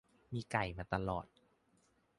มีไก่มาตลอด